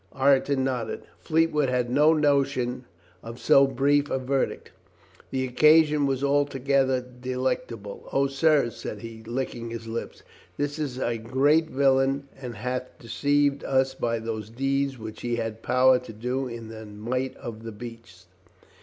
Ireton nodded. Fleetwood had no notion of so brief a verdict. The occasion was altogether delectable. "O, sirs," says he, licking his lips, "this is a great villain and hath deceived us by those deeds which he had power to do in the might of the beast.